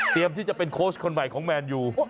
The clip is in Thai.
ที่จะเป็นโค้ชคนใหม่ของแมนยู